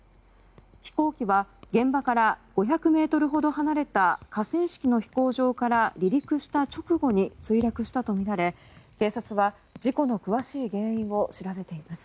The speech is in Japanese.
飛行機は現場から５００ｍほど離れた河川敷の飛行場から離陸した直後に墜落したとみられ警察は事故の詳しい原因を調べています。